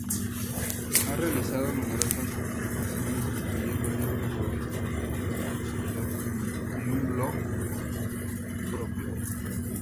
Ha realizado numerosas publicaciones, incluyendo libros, revistas, artículos especializados y un blog propio.